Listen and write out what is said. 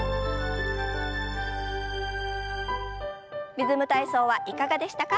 「リズム体操」はいかがでしたか？